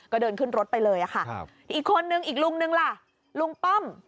ก็เดินขึ้นรถไปเลยค่ะอีกคนนึงอีกลุงนึงล่ะลุงป้อม